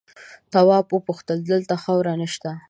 تواب وپوښتل دلته خاوره نه شته؟